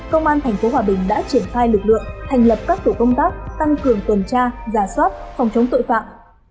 công an thành phố hòa bình đã triển khai lực lượng thành lập các tổ công tác tăng cường quần tra giả soát phòng chống tội phạm